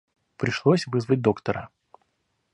Пришлось вызвать доктора.